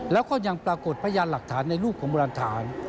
แล้วก็ยังปรากฏพยานหลักฐานในรูปของบรรณฐาน